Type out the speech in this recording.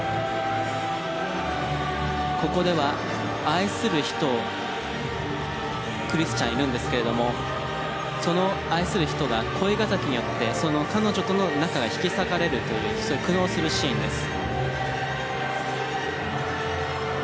ここでは愛する人をクリスチャンいるんですけれどもその愛する人が恋敵によってその彼女との仲が引き裂かれるというそういう苦悩するシーンです。